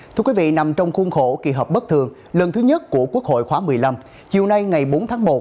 thưa quý vị nằm trong khuôn khổ kỳ họp bất thường lần thứ nhất của quốc hội khóa một mươi năm chiều nay ngày bốn tháng một